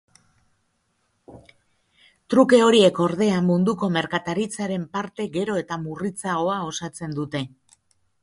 Truke horiek, ordea, munduko merkataritzaren parte gero eta murritzagoa osatzen dute.